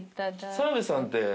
澤部さんって。